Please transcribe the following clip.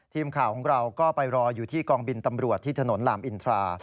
ทีมข่าวของเราก็ไปรออยู่ที่กองบินตำรวจที่ถนนลามอินทรา